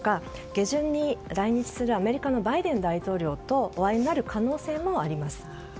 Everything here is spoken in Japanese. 下旬に来日するアメリカのバイデン大統領とお会いになる可能性もあります。